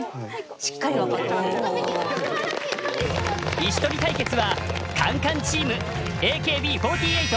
石取り対決はカンカンチームＡＫＢ４８